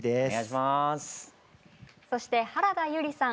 そして原田悠里さん。